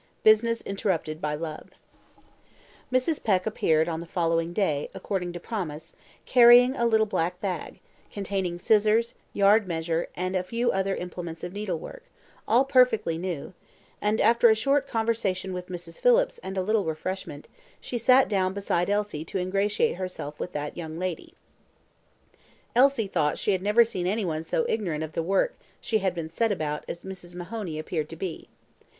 Business Interrupted By Love Mrs. Peck appeared on the following day, according to promise, carrying a little black bag, containing scissors, yard measure, and a few other implements of needlework, all perfectly new; and after a short conversation with Mrs. Phillips and a little refreshment, she sat down beside Elsie to ingratiate herself with that young lady. Elsie thought she had never seen any one so ignorant of the work she had set about as Mrs. Mahoney appeared to be.